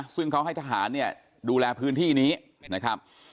ซึ่งเขาให้ทหารเนี่ยดูแลพื้นที่นี้นะครับ